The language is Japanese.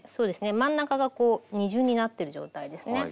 真ん中がこう二重になってる状態ですね。